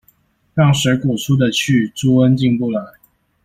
讓水果出得去，豬瘟進不來